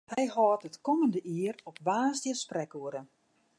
Hy hâldt it kommende jier op woansdei sprekoere.